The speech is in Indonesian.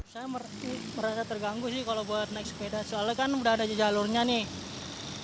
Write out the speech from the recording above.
saya merasa terganggu sih kalau buat naik sepeda soalnya kan udah ada jalurnya nih